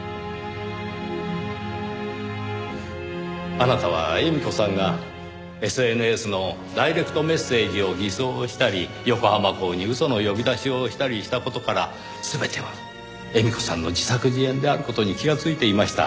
あなたは絵美子さんがＳＮＳのダイレクトメッセージを偽装したり横浜港に嘘の呼び出しをしたりした事から全ては絵美子さんの自作自演である事に気がついていました。